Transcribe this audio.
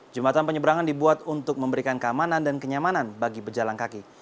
jembatan penyeberangan dibuat untuk memberikan keamanan dan kenyamanan bagi pejalan kaki